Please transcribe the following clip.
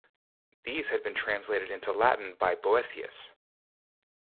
These had been translated into Latin by Boethius.